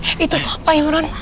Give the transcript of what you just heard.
eh itu pak imron